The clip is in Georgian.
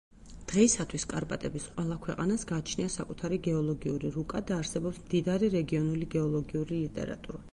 დღეისათვის კარპატების ყველა ქვეყანას გააჩნია საკუთარი გეოლოგიური რუკა და არსებობს მდიდარი რეგიონული გეოლოგიური ლიტერატურა.